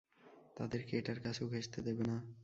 তাদের কে এটার কাছেও ঘেঁষতে দেবেনা।